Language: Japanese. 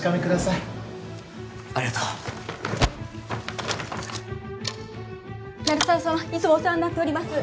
いつもお世話になっております